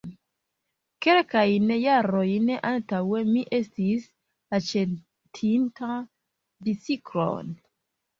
Kelkajn jarojn antaŭe mi estis aĉetinta biciklon.